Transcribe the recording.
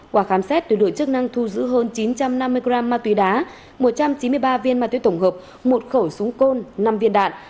qua khám xét lực lượng chức năng thu giữ hơn chín trăm năm mươi g ma túy đá một trăm chín mươi ba viên ma túy tổng hợp một khẩu súng côn năm viên đạn